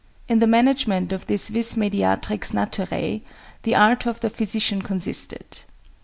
In the management of this vis medicatrix naturæ the art of the physician consisted.